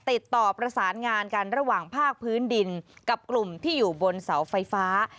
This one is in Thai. ติดต่อประสานงานกันระหว่างภาคพื้นดินกับกลุ่มที่อยู่บนเสาไฟฟ้า